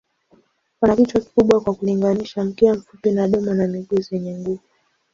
Wana kichwa kikubwa kwa kulinganisha, mkia mfupi na domo na miguu zenye nguvu.